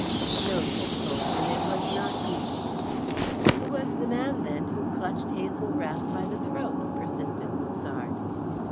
"No," said Colwyn; "it was not he." "Who was the man, then, who clutched Hazel Rath, by the throat?" persisted Musard.